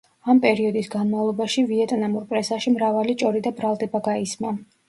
ამ პერიოდის განმავლობაში ვიეტნამურ პრესაში მრავალი ჭორი და ბრალდება გაისმა.